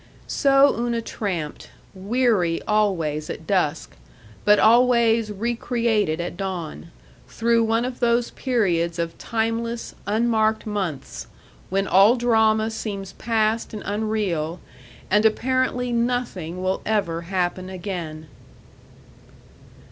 So Una tramped, weary always at dusk, but always recreated at dawn, through one of those periods of timeless, unmarked months, when all drama seems past and unreal and apparently nothing will ever happen again.